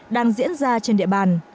đang diễn ra trên địa bàn